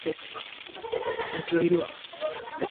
The home New South Wales team were champions.